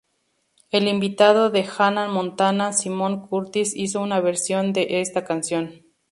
El invitado de Hannah Montana, Simon Curtis, hizo una versión de esta canción.